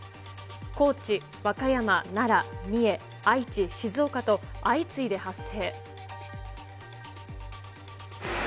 高知、和歌山、奈良、三重、愛知、静岡と、相次いで発生。